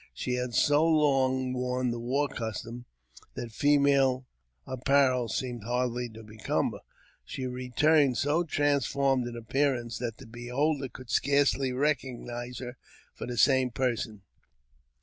She had so long worn the war costume that female apparel seemed hardly to become her; she returned so transformed in appearance that the beholder could scarcely recognize her for the same person.